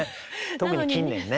特に近年ね。